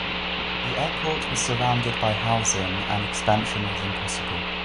The airport was surrounded by housing and expansion was impossible.